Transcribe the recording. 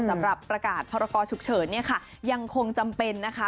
สำหรับประกาศพรกรฉุกเฉินเนี่ยค่ะยังคงจำเป็นนะคะ